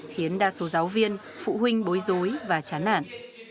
khiến đa số giáo viên phụ huynh bối rối và chán nản